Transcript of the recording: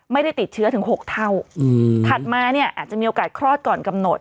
ไม่ได้ติดเชื้อถึง๖เท่าถัดมาเนี่ยอาจจะมีโอกาสคลอดก่อนกำหนด